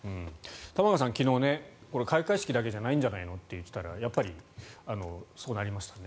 玉川さん、昨日開会式だけじゃないんじゃないのと言っていたらやっぱり、そうなりましたね。